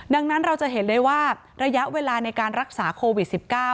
ดังนั้นเราจะเห็นเลยว่าระยะเวลาในการรักษาโควิด๑๙